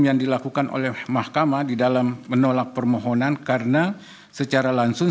yang dilakukan oleh mahkamah di dalam menolak permohonan karena secara langsung